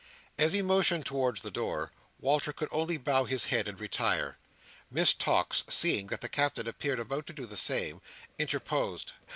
As he motioned towards the door, Walter could only bow his head and retire. Miss Tox, seeing that the Captain appeared about to do the same, interposed.